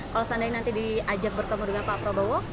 kalau seandainya nanti diajak bertemu dengan pak prabowo